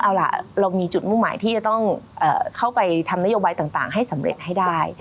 เอาล่ะเรามีจุดมุ่งหมายที่จะต้องเข้าไปทำนโยบายต่างให้สำเร็จให้ได้